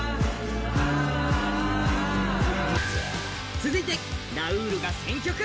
続いてラウールが選曲。